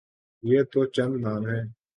یہ تو چند نام ہیں۔